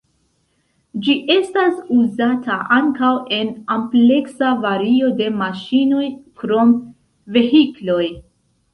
Ĝi estas uzata ankaŭ en ampleksa vario de maŝinoj krom vehikloj.